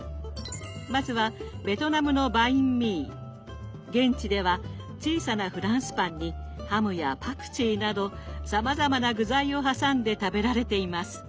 まずはベトナムの現地では小さなフランスパンにハムやパクチーなどさまざまな具材を挟んで食べられています。